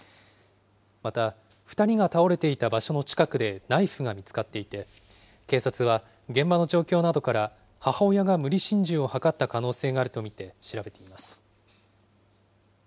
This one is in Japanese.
また２人が倒れていた場所の近くでナイフが見つかっていて、警察は、現場の状況などから、母親が無理心中を図った可能性があると見て調べています。